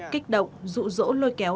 kích động rụ rỗ lôi kéo